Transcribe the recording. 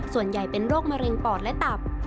ส่วนใหญ่เป็นโรคมะเร็งปอดและตับ